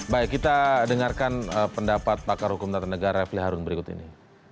baik kita dengarkan pendapat pakar hukum tata negara refli harun berikut ini